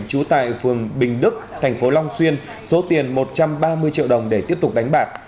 trú tại phường bình đức thành phố long xuyên số tiền một trăm ba mươi triệu đồng để tiếp tục đánh bạc